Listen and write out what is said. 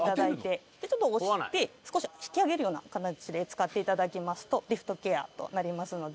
怖ない？でちょっと押して少し引き上げるようなかたちで使っていただきますとリフトケアとなりますので。